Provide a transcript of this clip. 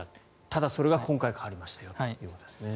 ただそれが今回変わりましたよということです。